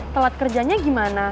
telat kerjanya gimana